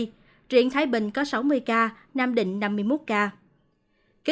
tp hcm một ba trăm ba mươi bảy ca đồng thời phân bộ đều giữa các tỉnh miền tây